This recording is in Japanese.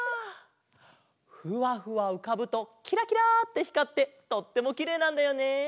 ふわふわうかぶときらきらってひかってとってもきれいなんだよね。